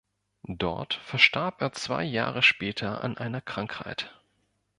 Dort verstarb er zwei Jahre später an einer Krankheit.